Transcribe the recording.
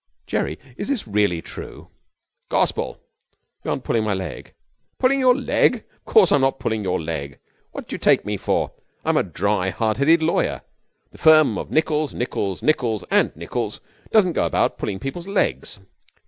'Jerry, is this really true?' 'Gospel.' 'You aren't pulling my leg?' 'Pulling your leg? Of course I'm not pulling your leg. What do you take me for? I'm a dry, hard headed lawyer. The firm of Nichols, Nichols, Nichols, and Nichols doesn't go about pulling people's legs!'